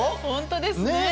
本当ですね。